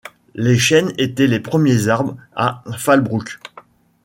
Les chênes étaient les premiers arbres à Fallbrook.